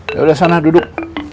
yaudah sana duduk